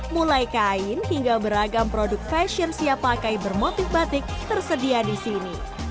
mulai kain hingga beragam produk fashion siap pakai bermotif batik tersedia di sini